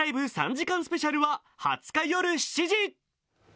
３時間スペシャルは、２０日夜７時。